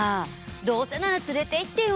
どうせなら連れていってよ！